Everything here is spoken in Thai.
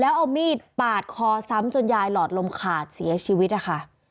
แล้วเอามีดปาดคอซ้ำจนยายหลอดลมขาดเสียชีวิตนะคะ